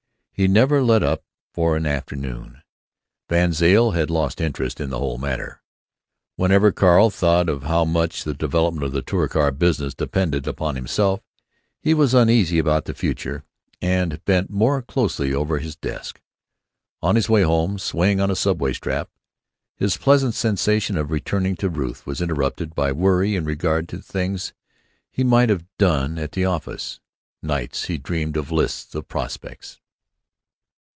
He never let up for an afternoon. VanZile had lost interest in the whole matter. Whenever Carl thought of how much the development of the Touricar business depended upon himself, he was uneasy about the future, and bent more closely over his desk. On his way home, swaying on a subway strap, his pleasant sensation of returning to Ruth was interrupted by worry in regard to things he might have done at the office. Nights he dreamed of lists of "prospects."